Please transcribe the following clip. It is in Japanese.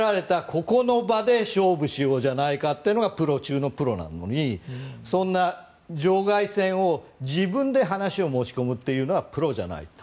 ここの場で勝負しようじゃないかってのがプロ中のプロなのにそんな場外戦を自分で話を持ち込むというのはプロじゃないと。